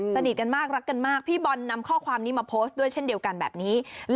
สนิทกันมากรักกันมากพี่บอลนำข้อความนี้มาโพสต์ด้วยเช่นเดียวกันแบบนี้